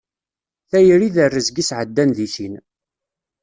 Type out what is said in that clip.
Tayri d rrezg i sɛeddan di sin.